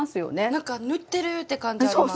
なんか縫ってるって感じあります。